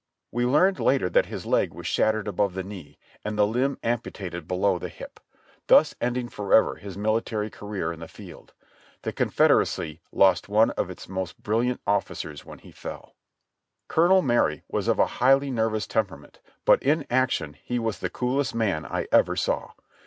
We learned later that his leg was shattered above the knee and the limb amputated below the hip, thus ending forever his military career in the field. The Confederacy lost one of its most brilliant ofificers when he fell. Colonel Marye was of a highly nervous temperament, but in ac tion he was the coolest man I ever saw.